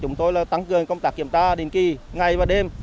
chúng tôi là tăng trưởng công tác kiểm tra đình kỳ ngày và đêm